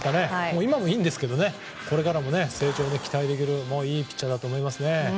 今もいいんですけどねこれからの成長に期待できるいいピッチャーだと思いますね。